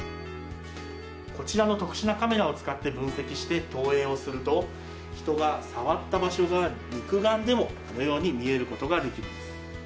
こちらの特殊なカメラを使って分析して投影すると人が触った場所が肉眼でも見ることができるんです。